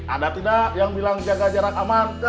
ada tidak yang bilang jaga jarak aman